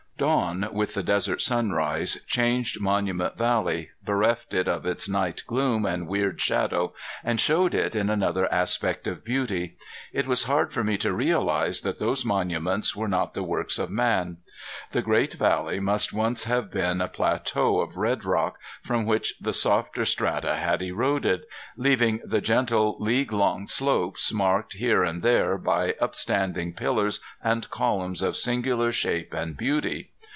[Illustration: Z. G. AFTER TWO MONTHS IN THE WILDS] Dawn, with the desert sunrise, changed Monument Valley, bereft it of its night gloom and weird shadow, and showed it in another aspect of beauty. It was hard for me to realize that those monuments were not the works of man. The great valley must once have been a plateau of red rock from which the softer strata had eroded, leaving the gentle league long slopes marked here and there by upstanding pillars and columns of singular shape and beauty.